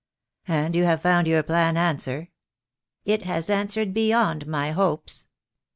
"And you have found your plan answer " "It has answered beyond my hopes.